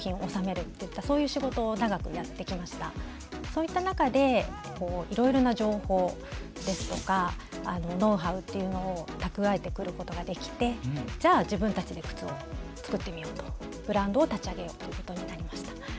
そういった中でいろいろな情報ですとかノウハウっていうのを蓄えてくることができてじゃあ自分たちで靴を作ってみようとブランドを立ち上げようということになりました。